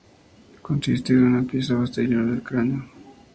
Consiste de una pieza posterior del cráneo.